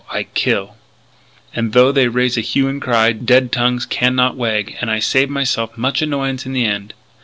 I kill. "And though they raise a hue and cry, dead tongues can not wag and I save myse'f much annoyance in the end."